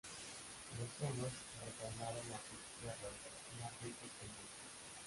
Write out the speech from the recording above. Los hunos retornaron a sus tierras, más ricos que nunca.